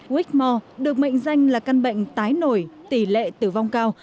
whitmore được mệnh danh là căn bệnh tái nổi tỷ lệ tử vong cao